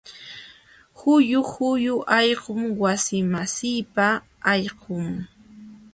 Huyu huyu allqum wasimasiipa allqun.